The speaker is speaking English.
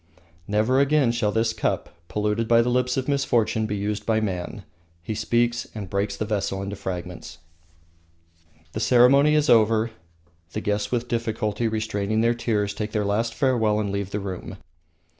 "Never again shall this cup, polluted by the lips of misfortune, be used by man." He speaks, and breaks the vessel into fragments. The ceremony is over; the guests with difficulty restraining their tears, take their last farewell and leave the room.